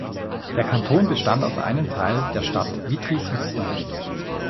Der Kanton bestand aus einem Teil der Stadt Vitry-sur-Seine.